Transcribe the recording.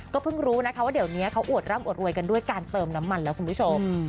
เพิ่งรู้นะคะว่าเดี๋ยวนี้เขาอวดร่ำอวดรวยกันด้วยการเติมน้ำมันแล้วคุณผู้ชม